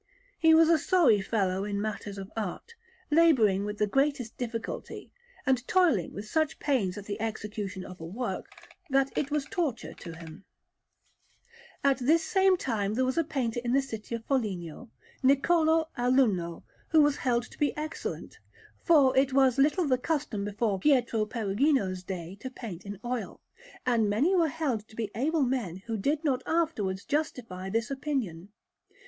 He was a sorry fellow in matters of art, labouring with the greatest difficulty, and toiling with such pains at the execution of a work, that it was a torture to him. [Illustration: BENEDETTO BUONFIGLIO: MADONNA, CHILD AND THREE ANGELS (Perugia: Pinacoteca. Panel)] At this same time there was a painter in the city of Foligno, Niccolò Alunno, who was held to be excellent, for it was little the custom before Pietro Perugino's day to paint in oil, and many were held to be able men who did not afterwards justify this opinion.